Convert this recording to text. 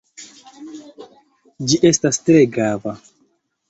Ĝi estas tre grava.